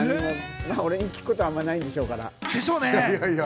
俺に聞くことはあんまりないんでしょうから。